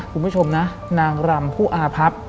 คุณผู้ชมนะนางรำผู้อาพับ